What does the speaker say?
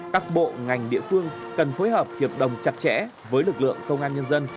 các bộ ngành địa phương cần phối hợp hiệp đồng chặt chẽ với lực lượng công an nhân dân